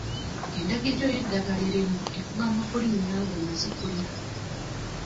Endagiriro y'eddagala erimu ekugamba kulimira ng'omaze kulya.